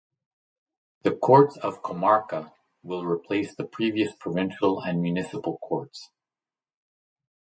The courts of "comarca" will replace the previous provincial and municipal courts.